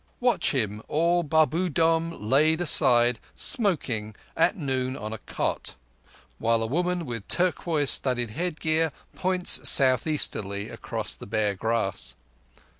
Watch him, all Babudom laid aside, smoking at noon on a cot, while a woman with turquoise studded headgear points south easterly across the bare grass.